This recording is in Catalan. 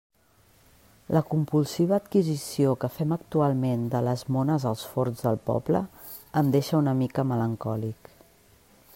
La compulsiva adquisició que fem actualment de les mones als forns del poble em deixa una mica melancòlic.